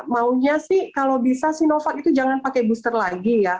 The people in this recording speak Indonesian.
maunya sih kalau bisa sinovac itu jangan pakai booster lagi ya